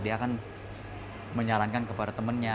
dia akan menyalankan kepada temennya